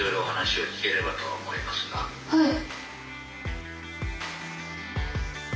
はい。